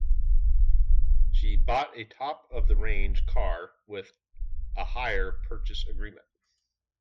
She bought a top-of-the-range car with a hire purchase agreement